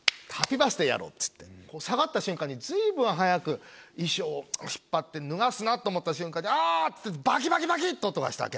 下がった瞬間に随分早く衣装を引っ張って脱がすなぁと思った瞬間に「あぁ！」っつってバキバキバキって音がしたわけ。